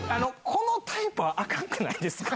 このタイプはあかんくないですか。